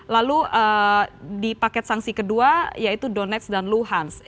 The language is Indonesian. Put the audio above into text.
lalu di paket sanksi kedua yaitu donetsk dan luhansk